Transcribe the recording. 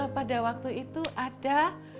pada waktu itu ada